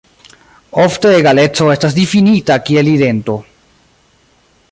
Ofte egaleco estas difinita kiel idento.